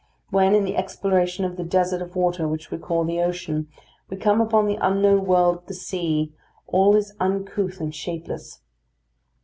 When, in the exploration of the desert of water which we call the ocean, we come upon the unknown world of the sea, all is uncouth and shapeless.